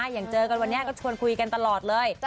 อย่างเจอกันวันนี้ก็ชวนคุยกันตลอดเลย